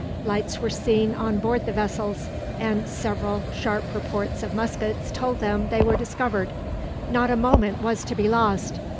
Lights were seen on board the vessels, and several sharp reports of muskets told them they were discovered. Not a moment was to be lost.